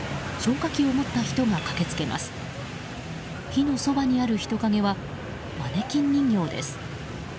火のそばにある人影はマネキン人形です。